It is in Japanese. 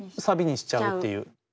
サビにしちゃうっていう。